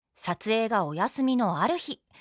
撮影がお休みのある日。